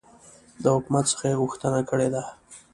د حکومت څخه یي غوښتنه کړې ده